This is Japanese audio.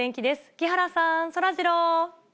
木原さん、そらジロー。